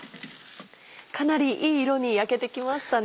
かなりいい色に焼けてきましたね。